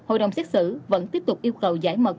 hội đồng xét xử vẫn tiếp tục yêu cầu giải mật